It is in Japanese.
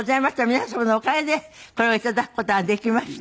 皆様のおかげでこれを頂く事ができました。